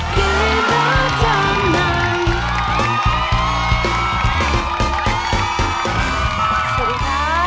เกมรับจำนำ